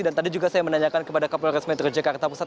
tadi juga saya menanyakan kepada kapolres metro jakarta pusat